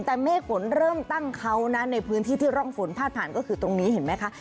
แต่เมฆฝนเริ่มตั้งเขานะในพื้นที่ที่ร่องฝนพาดผ่านก็คือตรงนี้เห็นไหมคะ